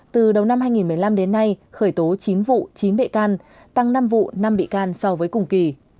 từ đầu năm hai nghìn một mươi năm đến nay khởi tố chín vụ chín bệ can tăng năm vụ năm bị can so với cùng kỳ